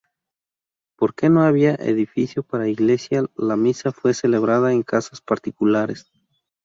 Porque no había edificio para iglesia la misa fue celebrada en casas particulares.